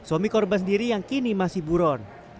suami korban sendiri yang kini masih buron